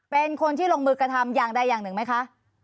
เป็นคนที่ลงมือกระทำอย่างใดอย่างหนึ่งไหมคะ